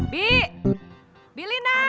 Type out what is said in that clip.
bi bilin lah